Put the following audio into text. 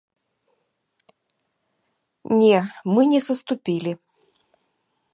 Не, мы не саступілі!